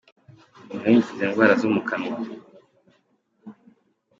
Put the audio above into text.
Umwenya ukiza indwara zo mu kanwa.